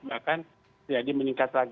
bahkan jadi meningkatkan